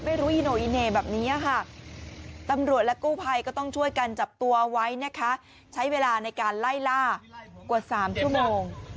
อีโนอิเน่แบบนี้ค่ะตำรวจและกู้ภัยก็ต้องช่วยกันจับตัวไว้นะคะใช้เวลาในการไล่ล่ากว่า๓ชั่วโมง